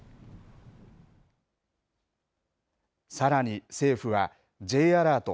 さらに政府は、Ｊアラート